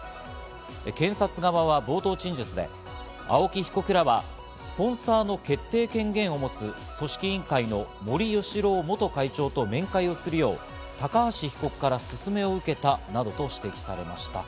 検察側は冒頭陳述で青木被告らは、スポンサーの決定権限を持つ組織委員会の森喜朗元会長と面会をするよう高橋被告から勧めを受けたなどと指摘されました。